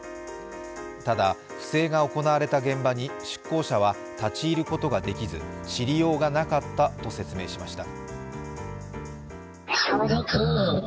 ただ、不正が行われた現場に出向者は立ち入ることができず知りようがなかったと説明しました。